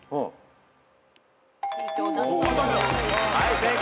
はい正解。